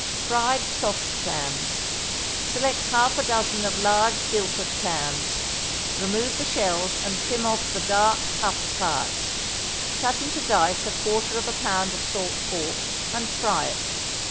=Fried Soft Clams. =Select half a dozen of large Guilford clams. Remove the shells, and trim off the dark tough parts. Cut into dice a quarter of a pound of salt pork, and fry it.